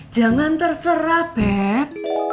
jangan terserah beb